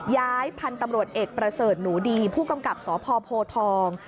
ย้ายพันธุ์ตำรวจเอกประเสริฐหนูดีผู้กำกับสพโพทอง